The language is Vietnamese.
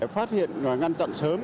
phát hiện và ngăn chọn sớm